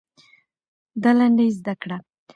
دا لنډۍ زده کړه.